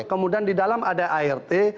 kemudian di dalam ada art